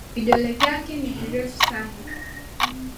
Vidole vyake ni virefu sana